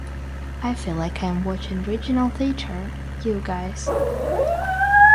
I feel like I'm watching regional theatre, you guys.